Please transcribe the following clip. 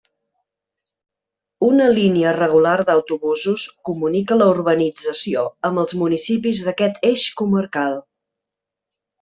Una línia regular d'autobusos comunica la urbanització amb els municipis d'aquest eix comarcal.